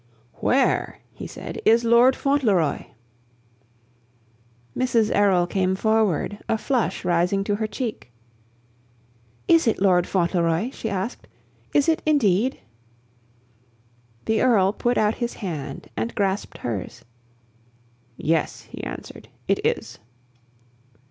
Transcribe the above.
"Where," he said, "is Lord Fauntleroy?" Mrs. Errol came forward, a flush rising to her cheek. "Is it Lord Fauntleroy?" she asked. "Is it, indeed!" The Earl put out his hand and grasped hers. "Yes," he answered, "it is."